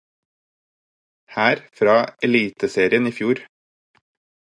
Her fra eliteserien i fjor.